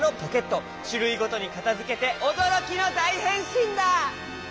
しゅるいごとにかたづけておどろきのだいへんしんだ！